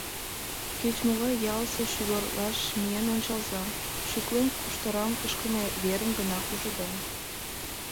Кеч-могай ялысе шӱгарлаш миен ончалза — шӱклен куштырам кышкыме верым гына ужыда.